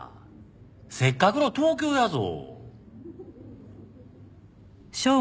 せっかくの東京やぞ。